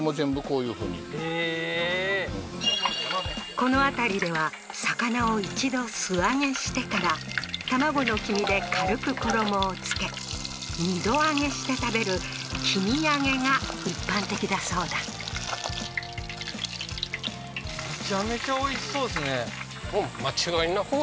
この辺りでは魚を一度素揚げしてから卵の黄身で軽く衣をつけ二度揚げして食べる黄身揚げが一般的だそうだははははっ